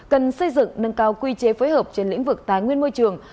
cần xây dựng nâng cao quy chế phối hợp trên lĩnh vực tài nguyên môi trường